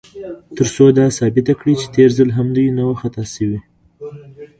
تر څو دا ثابته کړي، چې تېر ځل هم دوی نه و خطا شوي.